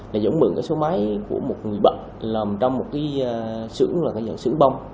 thì dũng mượn cái số máy của một người bậc làm trong một cái xưởng là cái xưởng bông